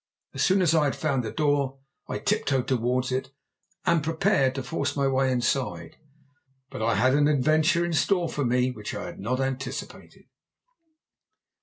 As soon as I had found the door, I tiptoed towards it and prepared to force my way inside but I had an adventure in store for me which I had not anticipated.